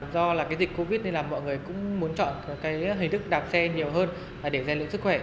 do dịch covid nên mọi người cũng muốn chọn hình thức đạp xe nhiều hơn để giản luyện sức khỏe